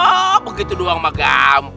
oh begitu doang sistema